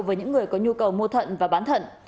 với những người có nhu cầu mua thận và bán thận